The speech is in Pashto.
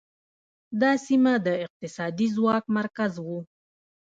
دا سیمه د اقتصادي ځواک مرکز و